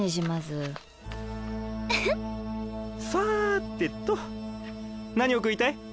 さてと何を食いたい？